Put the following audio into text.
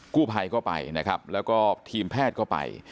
กู้ภัยก็ไปนะครับแล้วก็ทีมแพทย์ก็ไป